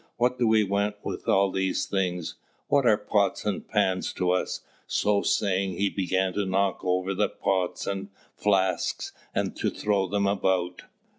What do we want with all these things? What are pots and pans to us?" So saying, he began to knock over the pots and flasks, and to throw them about.